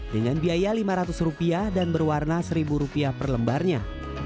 dengan biaya lima ratus rupiah dan berwarna seribu rupiah per lembarnya